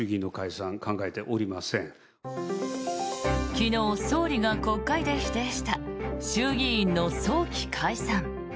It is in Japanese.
昨日、総理が国会で否定した衆議院の早期解散。